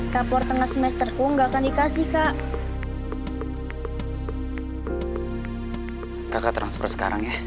rapor tengah semesterku gak akan dikasih kak